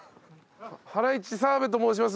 ハライチ澤部と申します。